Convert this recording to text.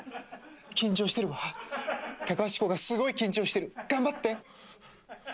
緊張してるわ、隆子がすごい緊張してる。頑張って。